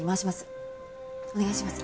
お願いします。